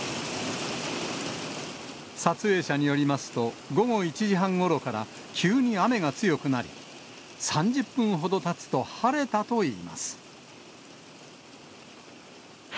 撮影者によりますと、午後１時半ごろから急に雨が強くなり、３０分ほどたつと晴れたといいます。